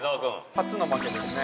◆初の負けですね。